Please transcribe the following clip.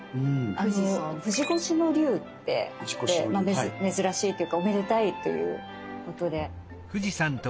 富士越しの龍ってあって珍しいっていうかおめでたいということで。